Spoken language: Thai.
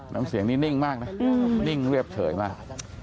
น้ำเสียงนี้นิ่งมากนะนิ่งเรียบเฉยมาก